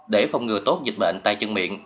để phòng ngừa tốt dịch bệnh tay chân miệng